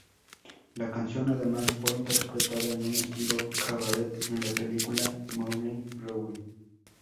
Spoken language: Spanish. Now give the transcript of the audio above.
La canción además fue interpretada en un estilo cabaret en la película "Moulin Rouge!